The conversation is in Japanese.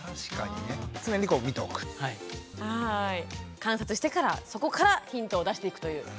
観察してからそこからヒントを出していくという。